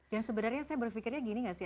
dan sebenarnya saya berfikirnya gini gak sih